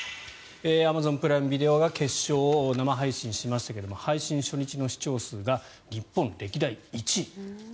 アマゾンプライム・ビデオは決勝を生配信しましたけど配信初日の視聴数が日本歴代１位。